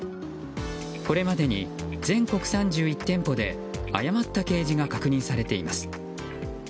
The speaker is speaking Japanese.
これまでに全国３１店舗で誤った掲示が確認されています。